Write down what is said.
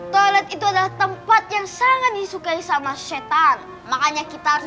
toilet itu adalah tempat yang sangat disukai sama setan makanya kita harus